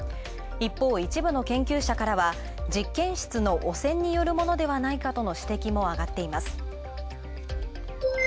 一方、一部の研究者からは、実験室の汚染によるものではないかとの指摘もあがっています。